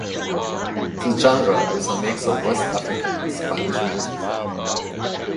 The genre is a mix of West African and Spanish music.